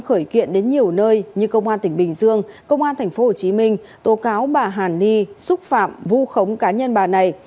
ở nơi như công an tp bình dương công an tp hcm tố cáo bà hàn ni xúc phạm vu khống cá nhân bà này